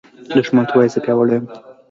دښمن ته وایه “زه پیاوړی یم”